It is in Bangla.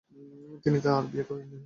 তিনি আর বিয়ে করেননি।